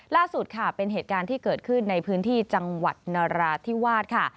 ล่าสุดค่ะเป็นเหตุการณ์ที่เกิดขึ้นในพื้นที่จังหวัดนราธิวาสค่ะ